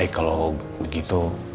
baik kalau begitu